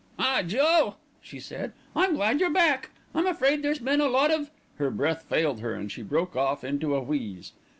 "Ah! Joe," she said, "I'm glad you're back. I'm afraid there's been a lot of " Her breath failed her, and she broke off into a wheeze.